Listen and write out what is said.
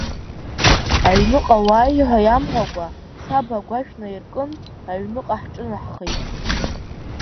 Аҩныҟа уааи ҳәа иамҳәакәа, саб агәашә наиркын, аҩныҟа ҳҿынаҳхеит.